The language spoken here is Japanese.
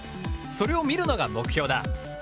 それを見るのが目標だ。